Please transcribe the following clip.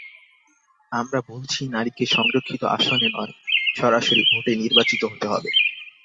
আমরা বলছি নারীকে সংরক্ষিত আসনে নয়, সরাসরি ভোটে নির্বাচিত হতে হবে।